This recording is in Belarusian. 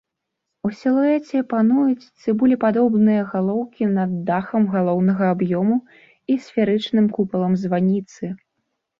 У сілуэце пануюць цыбулепадобныя галоўкі над дахам галоўнага аб'ёму і сферычным купалам званіцы.